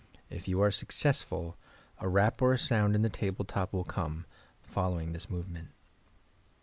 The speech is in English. If you are successful, a rap or a sound in the table top will come, following this movement.